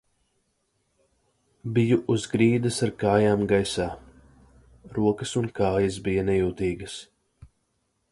Biju uz grīdas ar kājām gaisā. Rokas un kājas bija nejūtīgas.